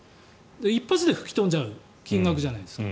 一発で吹き飛んじゃう金額じゃないですか。